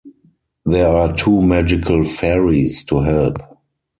There are two magical fairies to help.